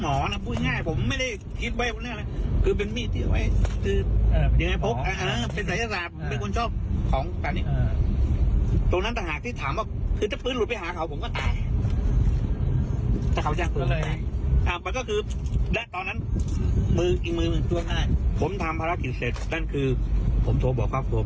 มาถึงอารมณ์นี้ผมไม่เหลืออะไรแล้วชีวิตผมพูดบอกแล้วว่ามันจบแล้วครับ